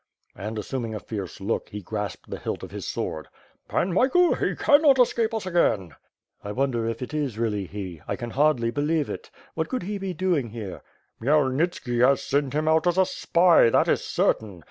And, assuming a fierce look, he grasped the hilt of his sword. "Pan Michael, he cannot escape us again I" "I wonder if it is really he. I can hardly believe it. What could he be doing here?" "KJimyelnitski has sent him out as a spy; that is certain.